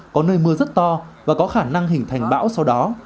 có nơi mưa rất to và có khả năng hình thành bão sau đó